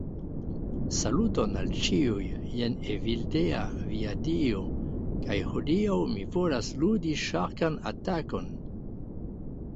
Saluton al ĉiuj, jen Evildea via dio, kaj hodiaŭ mi volas ludi Ŝarkan Atakon.